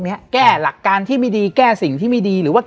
และวันนี้แขกรับเชิญที่จะมาเยี่ยมในรายการสถานีผีดุของเรา